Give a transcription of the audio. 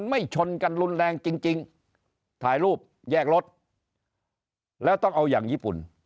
ไม่ชนกันรุนแรงจริงถ่ายรูปแยกรถแล้วต้องเอาอย่างญี่ปุ่น